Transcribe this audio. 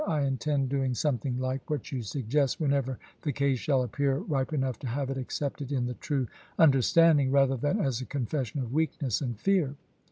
I intend doing something like what you suggest whenever the case shall appear ripe enough to have it accepted in the true under :^^ecran*^, standing rather than as a confession of weakness ^ m's. and fear."